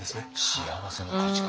幸せの価値観。